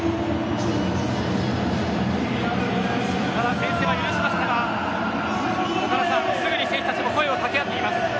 先制点は許しましたがすぐに選手たちも声を掛け合っています。